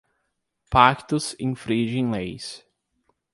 Pactos infringem leis.